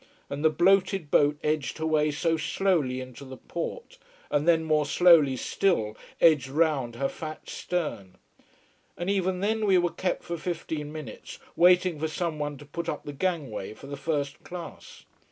And the bloated boat edged her way so slowly into the port, and then more slowly still edged round her fat stern. And even then we were kept for fifteen minutes waiting for someone to put up the gangway for the first class.